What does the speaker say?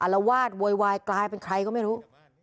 ละวาดโวยวายกลายเป็นใครก็ไม่รู้